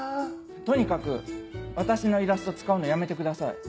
とにかく私のイラスト使うのやめてください。